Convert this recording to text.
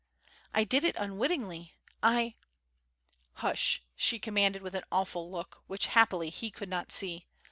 "I did it unwittingly. I " "Hush!" she commanded, with an awful look, which happily he could not see.